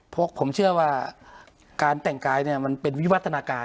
เพราะผมเชื่อว่าการแต่งกายมันเป็นวิวัฒนาการ